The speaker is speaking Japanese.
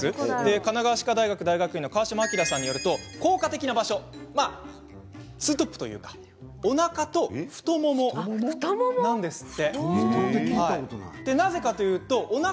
神奈川歯科大学大学院の川嶋朗さんよると、効果的な場所ツートップというかおなかと、太ももなんですって。